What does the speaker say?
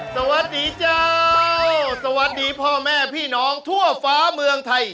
สวัสดีเจ้าสวัสดีพ่อแม่พี่น้องทั่วฟ้าเมืองไทย